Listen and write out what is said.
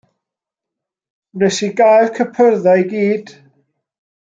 Wnes i gau'r cypyrdda i gyd.